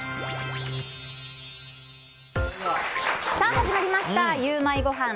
始まりました、ゆウマいごはん。